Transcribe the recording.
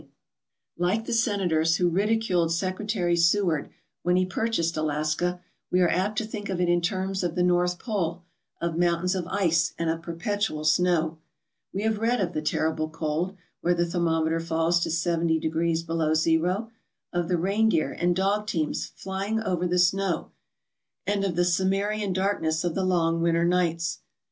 42 THE STORY OF "SEWARD'S ICE BOX" Like the senators who ridiculed Secretary Seward when he purchased Alaska, we are apt to think of it in terms of the North Pole of mountains of ice and of perpetual snow. We have read of the terrible cold, where the thermometer falls to seventy degrees below zero; of the reindeer and dog teams flying over the snow, and of the Cimmerian darkness of the long winter nights.